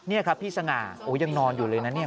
นี่ครับพี่สง่าโอ้ยังนอนอยู่เลยนะเนี่ย